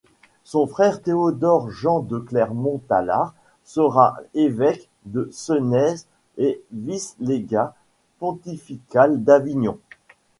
Son frère Théodore-Jean de Clermont-Tallard sera évêque de Sénez et vice-légat pontifical d'Avignon.